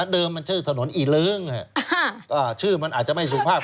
เดิมมันชื่อถนนอีเลิ้งชื่อมันอาจจะไม่สุภาพ